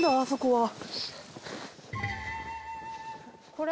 これ？